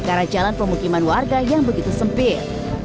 karena jalan pemukiman warga yang begitu sempit